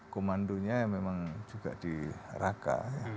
komandonya memang juga di raka